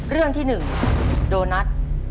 เรื่องที่๑โดนัท